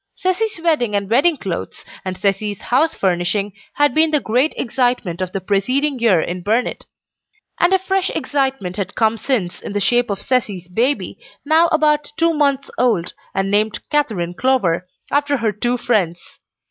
Cecy's wedding and wedding clothes, and Cecy's house furnishing had been the great excitement of the preceding year in Burnet; and a fresh excitement had come since in the shape of Cecy's baby, now about two months old, and named "Katherine Clover," after her two friends.